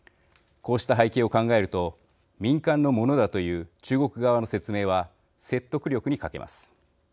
こうした背景を考えると民間のものだという中国側の説明は説得力に欠けます。